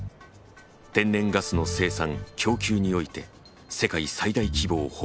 天然ガスの生産・供給において世界最大規模を誇る。